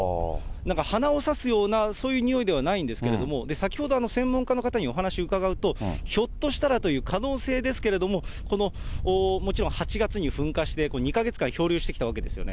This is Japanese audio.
なんか鼻をさすような、そういうにおいではないんですけど、先ほど、専門家の方にお話伺うと、ひょっとしたらという可能性ですけども、このもちろん８月に噴火して、２か月間漂流してきたわけですよね。